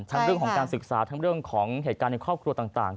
เรื่องของการศึกษาทั้งเรื่องของเหตุการณ์ในครอบครัวต่าง